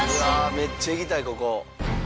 めっちゃ行きたいここ。